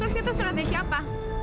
terus itu suratnya siapa